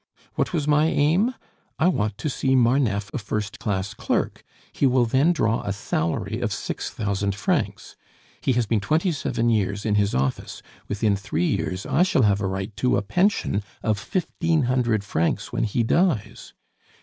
What was my aim? I want to see Marneffe a first class clerk; he will then draw a salary of six thousand francs. He has been twenty seven years in his office; within three years I shall have a right to a pension of fifteen hundred francs when he dies.